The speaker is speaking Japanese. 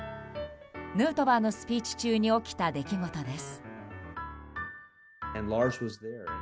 ヌートバーのスピーチ中に起きた出来事です。